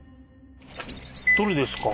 どれですか？